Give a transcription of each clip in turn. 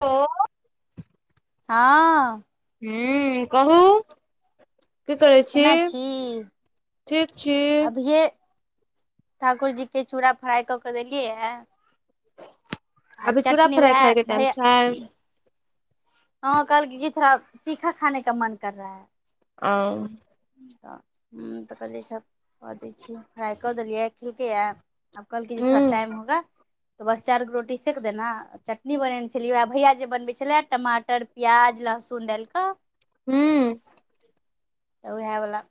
ओ। हँ। हू कहू। की करै छी, ठीक छी। अभिये ठाकुर जीे के चूड़ा फ्राइ कऽ कऽ देलियैए। आ अभी चूड़ा चटनी फ्राइ वएह खायके टाइम भैया छै हँ कहलकै की [unintelligible] औ। त ह त कहलियए सब कऽ दै छियै फ्राइ क देलियै खेलकैए आ कहलकै जे हूँ [unintelligible] चटनी बनेने छलियै वएह भैया जे बनबै छलए टमाटर, प्याज, लहसुन डालि क। हू। त वएहवला।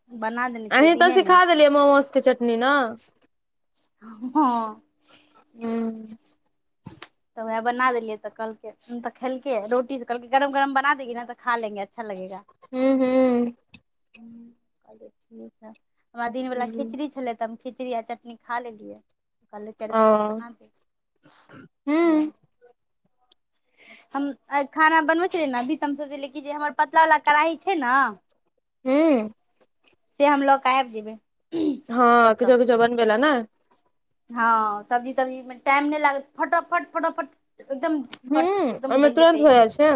अहीं त सिखा देलियै मोमोजके चटनी न। हँ। हू। त वेह बना देलियै त कहलकै त खेलकेै रोटीसँ कहलकै [unintelligible] हू-हू। हँ दिन बला हूँ खिचड़ी छले त खिचड़ी आ चटनी खा लेलियै कहलियए चारि ओ गो रोटी बना दही। हूँ हम खाना बनबै छलियै ने अभी त हम सोचलियै कि जे हमर पतला वला कड़ाही छैय न हू। से हम ल क आइब जेबै। हँ ओतऽ किछो- किछो बनबे लए ने। हँ सब्जी तब्जीमे टाइम नै लागत फटाफट- फटाफट एकदम हू फट एकदम ओयमे बनि जेतै तुरंत भ एहिमे जाय छैय।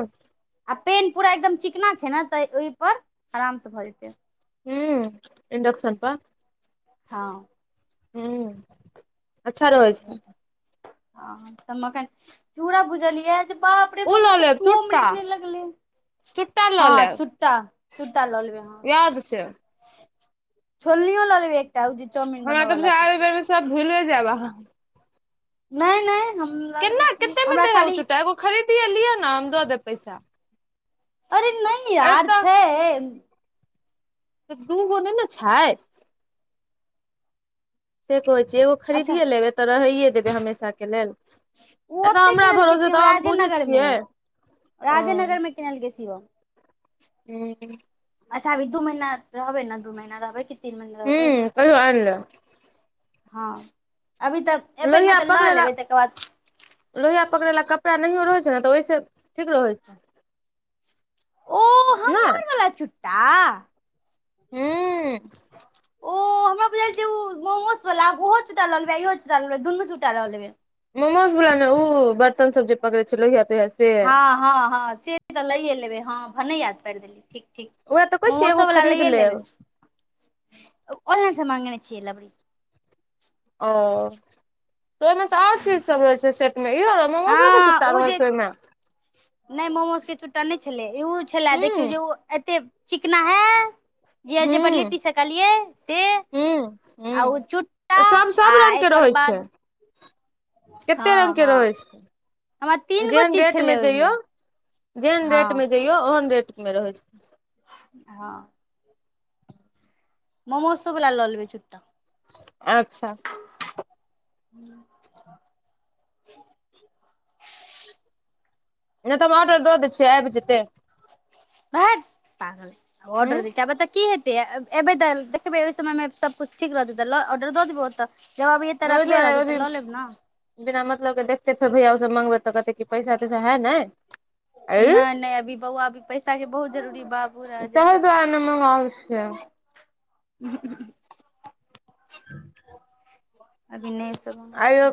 आ पेन पूरा एकदम चिकना छैय ने त ओयपर आराम स भ जेतै। हूँ इंडकसन पर। हँ। हू अच्छा रहै छैय। ह हम अखैन चूड़ा भुजलियै जे बाप रे उ बाप ल मतलब ले दूओ चुटटा। मिनट नहि लगलै हँ चुटटा चुटटा लऽ लेबै हँ। याद से छोलनीओ ल लेबै एकटा उ जे चाउमिन हमरा बनबऽ तऽ बला छैय बुझाइये एहि से। बेर मे सब भुइले जैब अहाँ। नै- नै हम लऽ लेबै केना की कते मे हमरा देहौ खाली चूटा एगो खरीदिये लिअ ने हम दऽ देब पैसा। अरे नै यार एतऽ छैय। तऽ दू गो नहि ने छै। से कहै छै एगो अच्छा खरीदियए लेबै तऽ रहैए देबै हमेशाके लेल। ओ ए तऽ ओते हमरा किनलकै से भरोसे तऽ हम पूछै राजेनगर मे छियै? ओ राजेनगर में किनल के सिव। ह [unintelligible] अच्छा अभी दू महीना रहबै ने दू महीना रहबै कि तीन महीना ह रहबै। कहियो आनि ले हँ अभी तऽ एबै ने लोहिया तऽ लऽ पकड़े ला लेबै तकर बाद। लोहिया पकड़ै ले कपड़ा नहियो रहै छै ने तऽ ओहिसँ ठीक रहै छै। ओ नहि हमर वला चुट्टा। हू [unintelligible] ओ [unintelligible] हमरा बुझाई छै ओ मोमोस वला ओहो चुट्टा लऽ लेबई इहो चुट्टा लऽ लेबे दुनु चुट्टा लऽ लेबै। मोमोज बला ने ओ बर्तन सब जे पकड़े छै लोहिया तोहिया। से हँ- हँ -हँ - से तऽ लैए लेबै हँ भने याद पैर देलियै ठीक ठीक। उएह तऽ कहै छी मोमो एगो सब बला खरीद लइए लेब लेनइन ऑनलाइन से मंगेने छिय ल बी। ओ तऽ ओहिमे तऽ आर चीज सब रहै छै सेट मे यो। हँ ओ जे नहि मोमोज के चुट्टा नहि छलै ई ऊ छले हूं देखियौ जे ओ एते चिकना है। जे जे पर हूं लिट्टी सेकलियै से। हूं हूं आ ओ चुट्टा तऽ सब आ एकर बाद कतेक हँ रंगगके हँ रहै हमरा छै तीन गो जेहन चीज छलै रेटमे ओहिमे जैयौ। जेहन रेटमे हँ जैयौ ओहन रेटमे रहै छै। हँ। मोमोस सब वला लऽ लेबै चुट्टा। अच्छा। [inaudible] [unintelligible] [inaudible] नहि तऽ हम ऑर्डर दऽ दै छियै आबि जेतै। भाट्ट पागल। ऑर्डर हूं दै छै आब ए तऽ की हेतै एबै तऽ देखबै ओहि समयमे सबकिछु ठीक रहतै तऽ ऑर्डर दऽ देबौ ओतऽ। जब आब एते ओहि रखले दुआरे रहत तऽ अभी लऽ लेब ने। बिना मतलब के देखते फेर भैया ओसभ मंगबै तऽ कहते क पैसा तैसा है ने आंय नहि नहि अभी बौआ अभी पैसा के बहुत जरूरी बाबू राजा। [unintelligible] अभी नै। अइयो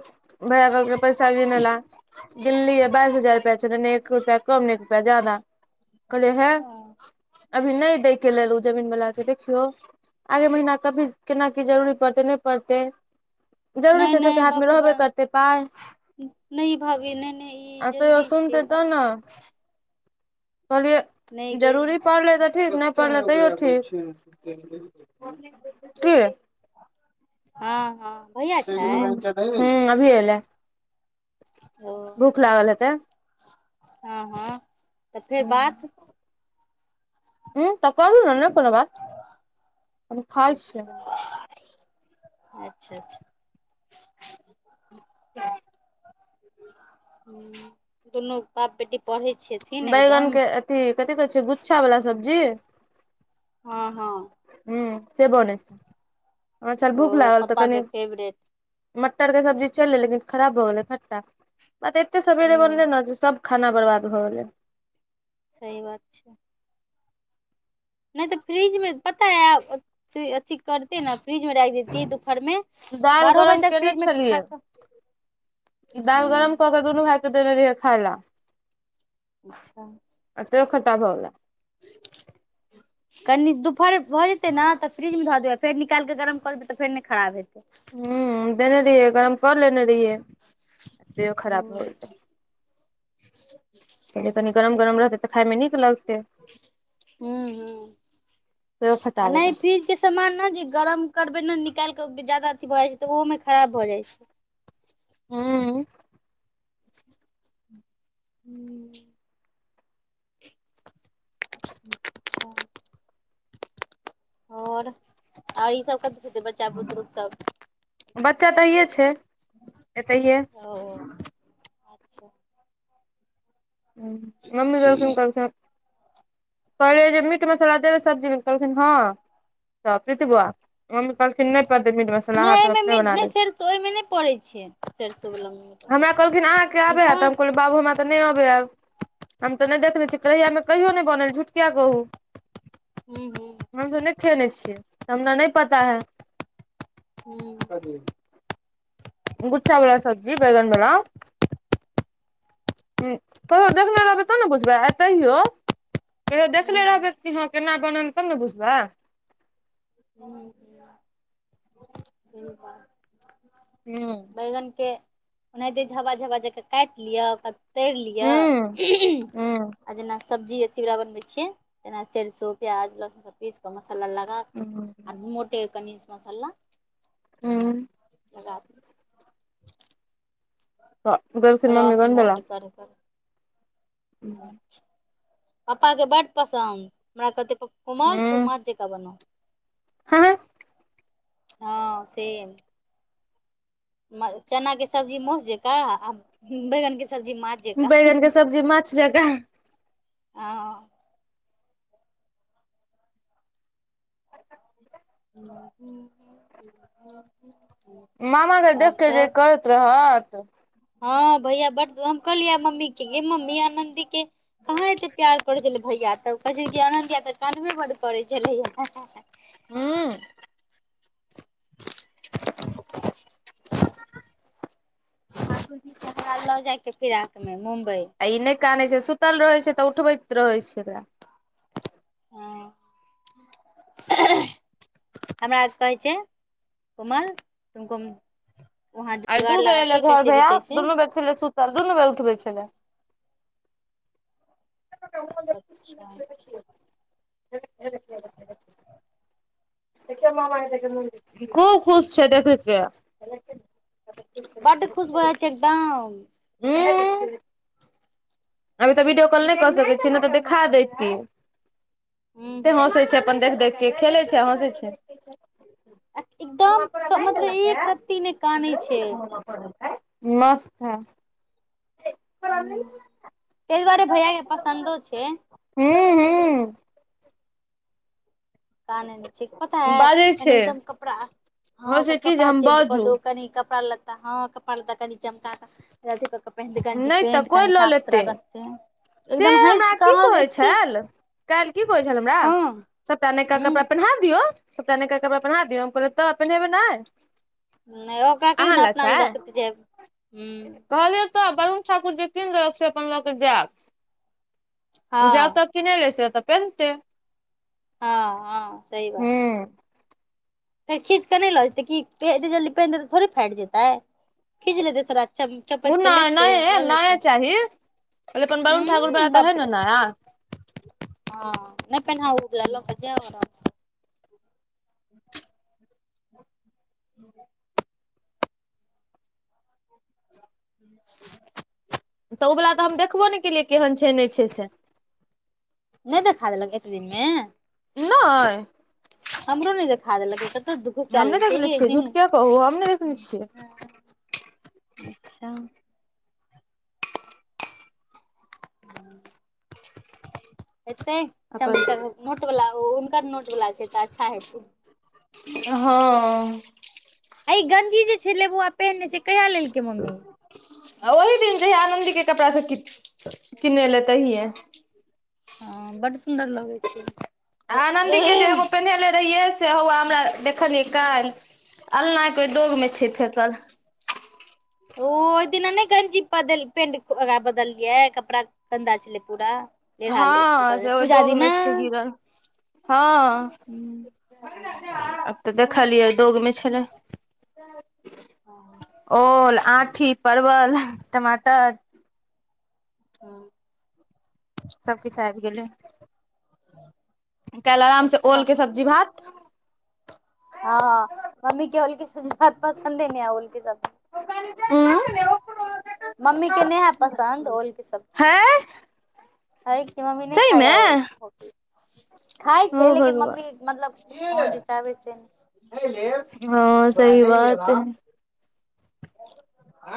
भइया कहलके पैसा गिनइ लेऽ गिनलयै बाइस हजार रुपआ [inaudible] एक रुपआ कमने एक रुपैआ जादा कहलिए हे अभी नहि दै के लेल ऊ जमीन बला के देखियौ आगे महीना कभी केना की जरूरी पड़ते नहि पड़ते जरूरी नहि छै सबके नहि हाथ मे बाप रे बा रहबे करतै पाइ नहि भाभी नहि नहि ई आ तैयो जरूरी छै। सुनतै तब ने कहलियै नहि गे जरूरी पड़ले तऽ ठीक नहि परत तैयो ठीक। हँ हँ। भैया छै ह्म्म अभी एले ओ भूख लागल हेतै। हँ हँ तऽ फेर बात हं त करियौ ने, नै कोनो बात, कनी खाई छियै। अच्छा अच्छा अच्छा। तऽ हुं दुनू बाप बेटी पढ़ै छथिन एकदम बैगनके अथी कथि कहै छै गुच्छावला सब्जी हँ हँ। हं से बनेै छै, आ छल ओ भूख लागल तऽ पप्पा कनि के फेवरेट मटर के सब्जी छलै, लेकिन खराब भ गेलै खट्टा तऽ एते सबेरे बनलै हूँ ने जे सब खाना बर्बाद भऽ गेलै। सही बात छै। नहि तऽ फ्रिज मे पता है अथि करतियै ने फ्रिज में राख देतियै दुपहर मे दाल गरम केने छलियै, दाल गरम क के दुनू भाय के देने रहियै खाइ ले। अच्छा। आ तैयो खट्टा भऽ गेलै। [inaudible] कनि दुपहर भऽ जेतै ने तऽ फ्रिजमे धऽ देबै फेर निकालिकऽ गरम कऽ देबै तऽ फेर नहि खराब हेतै। ह देने रहियै, गरम क लेने रहियै तैयो खराब भ हूँ गेलै, कहलियै हूँ कनी गरम गरम रहतै तऽ खायमे नीक लगतै, हूँ तैयो खटाब लगा से मानलौं ने जे गरम करबै ने निकाल के ज्यादा अथी भऽ जाय छै तऽ ओहो मे खराब भऽ जाइ छै। हुं। हछा [inaudible] औल ईसभ कथी खेतै बच्चा बुतरुग सब बच्चा तऽ इहे छै। एतैये। ओ। अच्छा। हं मम्मी देलखन कहलखिन। कहलै जे मीट मसाला देबै सब्जीमे कहलखिन हँ, तऽ प्रीति बुआ मम्मी कहलखिन नै पड़तै मीट मसाला नै हाथ मे एहिमे अपने मीट बना नै देब सरिसो ओहिमे नै पड़ै छै सरिसो बला मे मीट हमरा हम कहलखिन अहाँके अबैये ह कोनो तऽ हम कहलियैन बाबू हमरा तऽ नहि अबैये। हम तऽ नहि देखने छियै, कहैये हमरा घर मे कहियो नहि बनल झूठ किया कहु। हूं हूं हम तऽ नहि खेने छियै, हमरा नहि पता है। हू [unintelligible] ह जी [unintelligible] गु्च्छावला सब्जी बैगन बला हुं ककरो देखने रहबै तब ने बुझबै आ तहियो कहियो देखले हूं रहबै हँ केना बनल तब ने बुझबै। जा [inaudible] हूँ बैगन के ओनाहिते झाबा झाबा जे काटि लिअ ओकरा तैरि लिअ हूँ हूँ आ जेना सब्जी अथी वा बनबे छिये तेना सरसो प्याज लहसुन सब पीस के मसाला लगा कऽ हूँ आ मोटे कनीसन मसाला हूँ। लगा के दरसिन मम्मी ब बड़ [unintelligible] करढ़ कर [unintelligible] हूँ [inaudible] [inaudible] पपा के बड पसन्द, हमरा कहते कोमल तू हूँ माँ जेका बन। हँ। हँ, सेम। चना के सब्जी मउस जेका, आ बैगन के सब्जी माछ जेका बैगन के सब्जी माछ जेका। आ। ह [inaudible] मामा के देखकेे जे करैत रहत। हँ भैया बड, हम कहलियै मम्मी के, मम्मी आनन्दी के कहाँ एतेक प्यार करैत छलै भैया के, तऽ कहैत छल कि अनन्द्या तऽ कानबे बड करै छलैया। हू। [inaudible] ओकरा लऽ जाइके फिराक मे मुम्बई। आ ई नहि कानै छै, सुतल रहै छै तऽ उठबैत रहै छै ओकरा। हँ। हमरा कहै छै, कोमल, कुमकुम। वहाँ जोगार लगा के, कैसे भी कैसे छै सूतल, दुन नै उठबै छलै। अच्छा [unintelligible] खूब खुश छै देखैके [unintelligible] बड्ड खुश भए जाय छै, एकदम! एय। अभी तऽ वीडियो कॉल नहि कऽ सकैत छीय, नहि तऽ देखा देैती। हूँ कते हूँ हँसै छै, हूँ अपन देख के, खेलै छै, हँसै छै। एकदम बौआ कोरा नई मतलब लेलक या, एक रत्ती नै कानै परा छै नहि दे [unintelligible] मस्त है। तै दुआरे भैया के पसन्दो छै। हुँ। कान ने छै पता है, बाजै कनी छै एकदम कपड़ा! हँ, होइ ओकरा छै कि जे कपड़ा हम चेंज कऽ बाजू दो। कनि कपड़ा लत्ता, हँ, कपड़ा लत्ता कनि चमक क प नहि तऽ पेंट कोइ कनि लऽ साफ सुथरा लेतै रखते है [inaudible] से हमरा की कहैत छल, काल्हि की कहै छल हमरा हँ सबटा नयका कपड़ा हूँ पहिना दियौ, सबटा नयका कपड़ा पहिरा दियौ, हम कहलियै, तऽ पहिन्हेबै नहि। ओकरा कहियो अहाँ ने लए अपना छै ल रैत छै ह [unintelligible] कहलियै तऽ ब वरुण ठाकुर जे किनदेलक से अपन लक जैब। ज हँ तऽ किहे से ओतऽ पेन्नते। हँ -हँ सही बात। हूँ फेर खीच कऽ नहि लऽ जेतै कि, एते जल्दी पानि देतै थोड़े फाइट जेतै, खीच लेतै सरा। ओ चपैत के नहि लेतै नया- लऽ लेतै नया चाही, अपन वरुण ठाकुर बड़ा उ बाप तहन रे ने नया। हँ नहि पहिनाउ उजला लक के जाउ। [inaudible] ह तऽ ओ वला तऽ हम देखबो ने केलियै केहन छै नहि छै से नहि तऽ खा देलक एते दिनमे नहि हमरो नहि देखा देलकै कतऽ दुःखो च हम नहि देखले छियै लेलै झूठ किया कहू हम नहि देखने छियै अचछा एते चम अपन नोट वालला हुनकर नोट वला छै तऽ अच्छा हेतै। हँ एहि गंजी जे छै लेबुआ पहिनने से कहिा लेलकै मम्मी ओहिी दिन जे ह आनन्दी के कपड़ा से किने ले तऽहि ह हँ बड़ सुन्दर लग ह नन्दी के जे एगो पेन्हेले रहियै। से हौआ हमरा देखलियै काल्हि अलना के ओहि दोग में छै फेकल ओ ओहि दिना नहिन चीज पेंट ओरा बदलियै कपड़ा गन्दा छलै पूरा लेढ़ा हँ उतरल से पूजा दिना दोगमे छै जीवन हँ। हूँ तऽ देखलियै दोगमे छलै ओल आँठी परवल टमाटर ओ सबकछु आबि गेलै काल् आराम से अच्छा ओल के सब्जी भात हँ मम्मी के उलकेी सब्जी बहुत पसन्द ही न उलकेी सब्जी उंम्म मम्मी के नहि है पसन्द ओल के सब चीज है हइ क मी नहि सही खाइ मे ओल खाइ ओ छै लेकिन भगवान मम्मी मतलब ओहन जे चाहबै से नहि हँ सही बात ह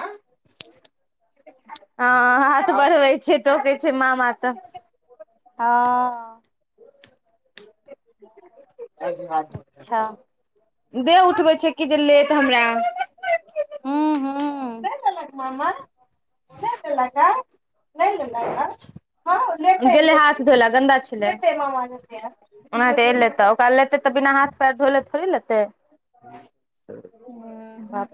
हाथ बढ़बै छै टोके छै मामा तऽ हँ। अच्छा दे उठबै छै कि जे लेट हँ हँ ल म ह ा नहि ल का गेल हाथ धोला गन्दा छलै ओ तऽ लेतै ओकरा लेै तऽ बिना हाथ पैर धोले थोड़े लेतै ओ बात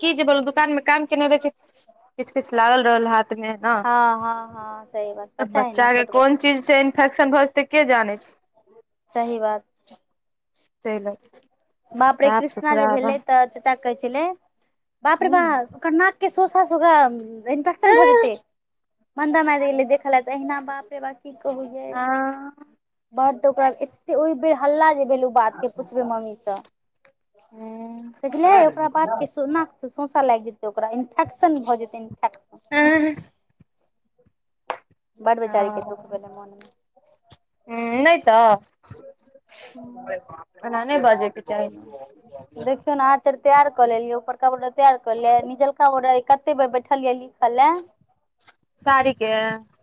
की जे बोलू दुकान मे काम केने बे किछु किछु लागल रहल हाथ मे ह हँ हँ हँ सही बात है न बच्चा के छोट कोन बच्चा है। चीज से इन्फेक्शन भऽ जेतै के जानै छै। सही बात सेलै बापड़े कृष्णा जे भेलै तऽ कहै छलै बाप रे बाह हूँ ओकर नाक के सोसा से ओकरा इन्फेक्शन भऽ जेते मन्दा मारि गेले देख ले त अहिना बाप रे बाप की कहु यै आ, बड्ड ओकर एते ओहि बेर हल्ला जे भेल उ बात के पूछबै मम्मी से। हूँ, तऽ बुझलै ओकरा बाद के सो नाक सँ सौसा लागि जे जै ओकरा इन्फेक्शन भऽ जेतै ओ, इन्फेक्शन। बड बेचारी के दुःख भेलै मोन मे। अम्म नहि तऽ। ऐना नहि बजयके चाही। कपडो तैयार क ले नीचलका बॉर्डर आइ कते बेर बैठलियै लिख लेऽ। साड़ी के।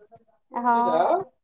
हँ।